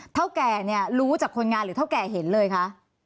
เท่าแก่เนี่ยรู้จากคนงานหรือเท่าแก่เห็นเลยคะ